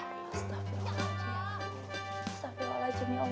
astagfirullahaladzim ya allah